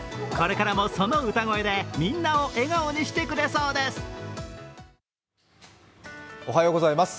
これからもその歌声で、みんなを笑顔にしてくれそうです。